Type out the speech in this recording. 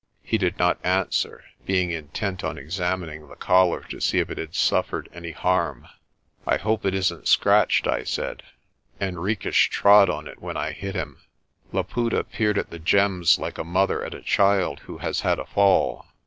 He did not answer, being intent on examining the Collar to see if it had suffered any harm. "I hope it isn't scratched," I said. "Henriques trod on it when I hit him." Laputa peered at the gems like a mother at a child who has had a fall.